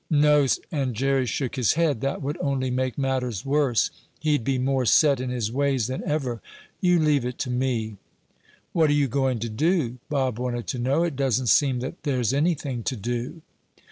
"No," and Jerry shook his head, "that would only make matters worse. He'd be more set in his ways than ever. You leave it to me." "What are you going to do?" Bob wanted to know. "It doesn't seem that there's anything to do."